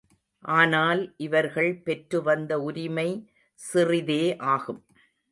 ஆனால், இவர்கள் பெற்று வந்த உரிமை சிறிதே ஆகும்.